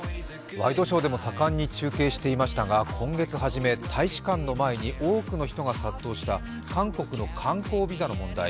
ワイドショーでも盛んに中継していましたが今月はじめ、大使館の前に多くの人が殺到した、韓国の観光ビザの問題。